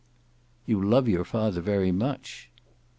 "You love your father very much."